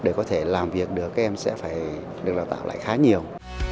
để có thể làm việc được các em sẽ phải được đào tạo lại khá nhiều